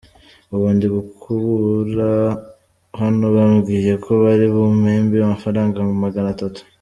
Ubu ndi gukubura hano bambwiye ko bari bumpembe amafaranga magana atatu.